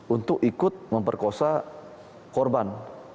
untuk ikut memperkosa korban